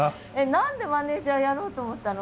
何でマネージャーやろうと思ったの？